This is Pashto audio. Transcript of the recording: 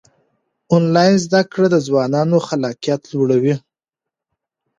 آنلاین زده کړه د ځوانانو خلاقیت لوړوي.